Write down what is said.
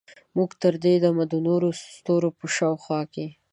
موږ تر دې دمه د نورو ستورو په شاوخوا کې